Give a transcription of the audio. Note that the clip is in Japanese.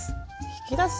引き出す！